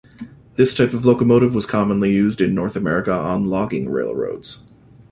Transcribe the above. This type of locomotive was commonly used in North America on logging railroads.